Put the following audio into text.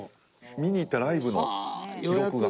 見に行ったライブの記録が。